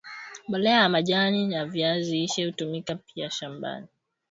mbolea ya majani ya viazi lishe hutumika pia shambani